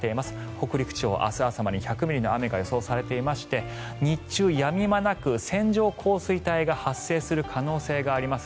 北陸地方は明日朝までに１００ミリの雨が予想されていまして日中、やみ間なく線状降水帯が発生する可能性があります。